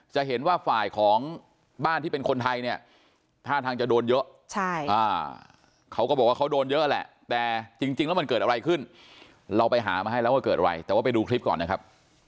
จะเห็นว่าฝ่ายของบ้านที่เป็นคนไทยเนี่ยท่าทางจะโดนเยอะเขาก็บอกว่าเขาโดนเยอะแหละแต่จริงแล้วมันเกิดอะไรขึ้นเราไปหามาให้แล้วว่าเกิดอะไรแต่ว่าไปดูคลิปก่อนนะครับ